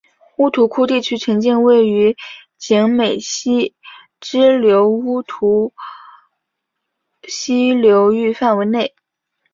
乌涂窟地区全境位于景美溪支流乌涂溪流域范围内。